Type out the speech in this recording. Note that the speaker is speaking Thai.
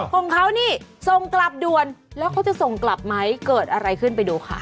ของเขานี่ส่งกลับด่วนแล้วเขาจะส่งกลับไหมเกิดอะไรขึ้นไปดูค่ะ